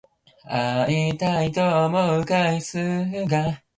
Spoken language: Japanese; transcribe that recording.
で ｗｆｒｔｔｊ